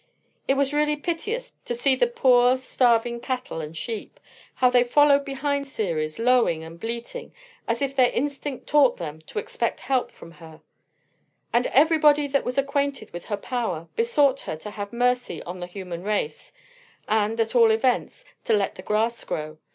It was really piteous to see the poor, starving cattle and sheep, how they followed behind Ceres, lowing and bleating, as if their instinct taught them to expect help from her; and everybody that was acquainted with her power besought her to have mercy on the human race, and, at all events, to let the grass grow.